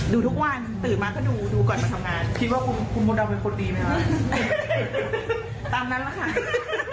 ดูทุกวันตื่นมาก็ดูดูก่อนมาทำงาน